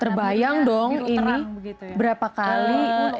terbayang dong ini berapa kali